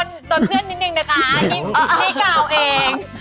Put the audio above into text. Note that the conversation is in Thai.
นี่กาวเอง